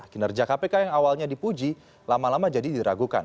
kinerja kpk yang awalnya dipuji lama lama jadi diragukan